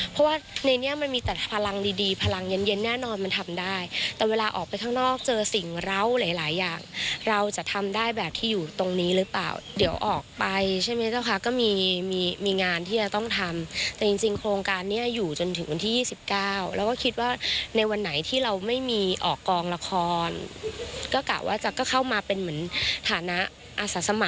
เพราะว่าในนี้มันมีแต่พลังดีดีพลังเย็นเย็นแน่นอนมันทำได้แต่เวลาออกไปข้างนอกเจอสิ่งเหล้าหลายหลายอย่างเราจะทำได้แบบที่อยู่ตรงนี้หรือเปล่าเดี๋ยวออกไปใช่ไหมเจ้าคะก็มีมีงานที่จะต้องทำแต่จริงโครงการนี้อยู่จนถึงวันที่๒๙แล้วก็คิดว่าในวันไหนที่เราไม่มีออกกองละครก็กะว่าจะก็เข้ามาเป็นเหมือนฐานะอา